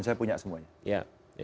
saya punya semuanya